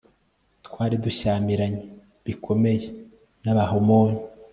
twari dushyamiranye bikomeye n'abahamoni